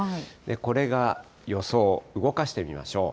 これが予想、動かしてみましょう。